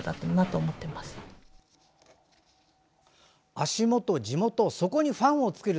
足元、地元そこにファンを作る。